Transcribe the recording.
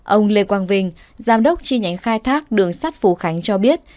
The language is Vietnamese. ông lê quang vinh giám đốc chi nhánh khai thác đường sắt phú khánh cho biết